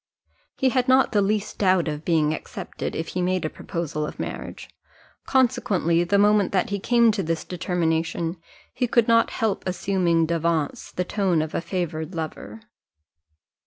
He had not the least doubt of being accepted, if he made a proposal of marriage; consequently, the moment that he came to this determination, he could not help assuming d'avance the tone of a favoured lover.